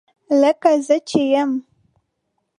لکه زه چې یم